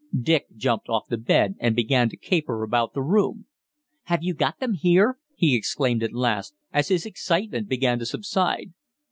Dick jumped off the bed and began to caper about the room. "Have you got them here?" he exclaimed at last, as his excitement began to subside.